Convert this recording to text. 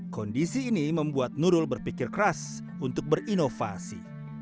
kondisi ini membuat nurul berpikir keras untuk berinovasi